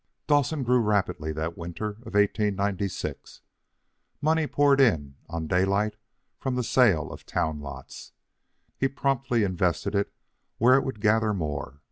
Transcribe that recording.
Dawson grew rapidly that winter of 1896. Money poured in on Daylight from the sale of town lots. He promptly invested it where it would gather more.